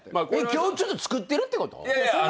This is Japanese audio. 今日ちょっとつくってるってこと？